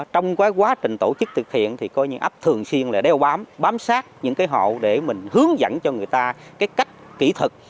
trong quá trình tổ chức thực hiện thì coi như ấp thường xuyên là đeo bám bám sát những cái hộ để mình hướng dẫn cho người ta cái cách kỹ thực